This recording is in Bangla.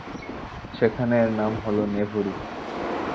সেখানে এর নাম হল 'নেভরি'।